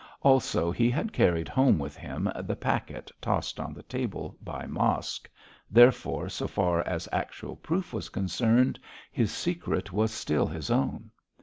Also he had carried home with him the packet tossed on the table by Mosk, therefore, so far as actual proof was concerned, his secret was still his own.